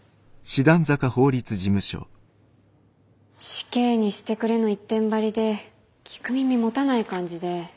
死刑にしてくれの一点張りで聞く耳持たない感じで。